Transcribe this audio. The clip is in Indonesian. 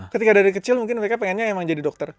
ketika dari kecil mungkin mereka pengennya emang jadi dokter